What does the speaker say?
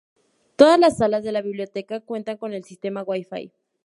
Todas las salas de la biblioteca cuentan con el sistema Wi-Fi.